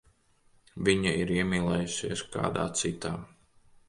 Viņa ir iemīlējusies kādā citā.